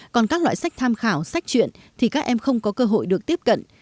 còn các loại sách tham khảo sách chuyện thì các em không có cơ hội được tiếp cận